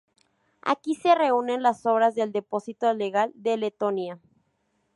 Aquí se reúnen las obras del depósito legal de Letonia.